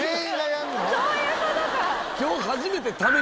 そういうことか！